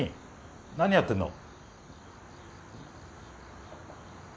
何やってんの？